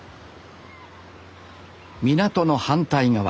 港の反対側。